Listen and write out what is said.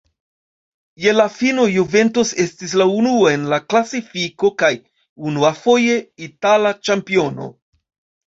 Je la fino Juventus estis la unua en la klasifiko kaj, unuafoje, itala ĉampiono.